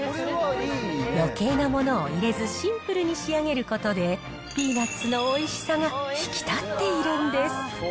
よけいなものを入れず、シンプルに仕上げることで、ピーナッツのおいしさが引き立っているんです。